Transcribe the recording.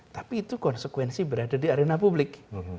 tapi itu konsekuensi berada di arena publik